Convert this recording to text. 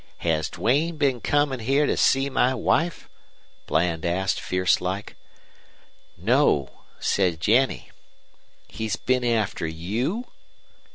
"'Has Duane been comin' here to see my wife?' Bland asked, fierce like. "'No,' said Jennie. "'He's been after you?'